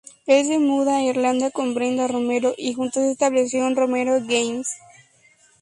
El se muda a Irlanda con Brenda Romero y juntos establecieron Romero Games Ltd.